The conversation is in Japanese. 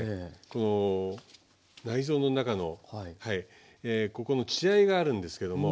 この内臓の中のここの血合いがあるんですけども。